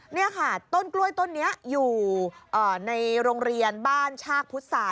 นี่ค่ะต้นกล้วยต้นนี้อยู่ในโรงเรียนบ้านชากพุษา